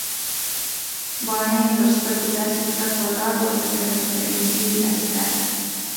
باڼه یې پر سترګو داسې کلک ولاړ ول لکه د پرنګي عسکر.